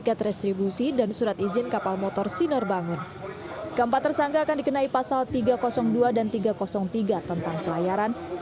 karena saya di dalam ya saya cait terpaksa di med peligip lah ya bang